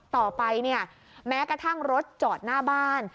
ต่อไปเนี่ยแม้กระทั่งรถจอดหน้าบ้าน